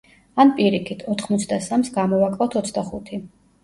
ან პირიქით, ოთხმოცდასამს გამოვაკლოთ ოცდახუთი.